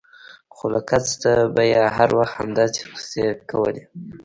خو له کسته به يې هر وخت همداسې کيسې کولې.